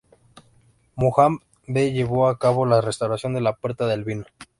Muhammad V llevó a cabo la restauración de la puerta del Vino.